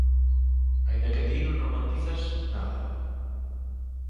Aínda que ti non romantizas nada.